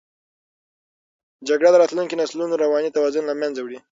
جګړه د راتلونکو نسلونو رواني توازن له منځه وړي.